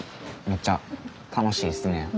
めっちゃ楽しいですね。